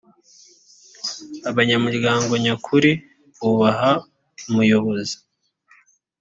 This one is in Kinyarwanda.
abanyamuryango nyakuri bubaha umuyobozi .